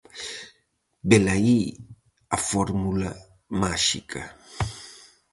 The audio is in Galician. Velaí a fórmula máxica.